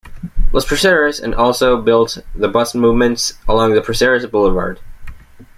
Los Proceres and also built the bust monuments along the Proceres Boulevard.